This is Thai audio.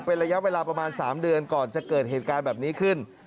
เป็นระยะเวลาประมาณ๓เดือนก่อนจะเกิดเหตุการณ์แบบนี้ขึ้น